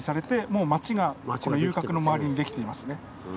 もう町が遊郭の周りにできていますね。